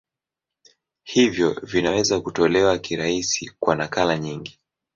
Hivyo vinaweza kutolewa kirahisi kwa nakala nyingi.